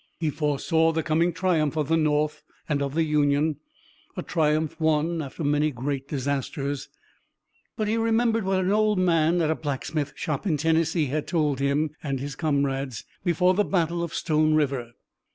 He foresaw the coming triumph of the North and of the Union, a triumph won after many great disasters, but he remembered what an old man at a blacksmith shop in Tennessee had told him and his comrades before the Battle of Stone River.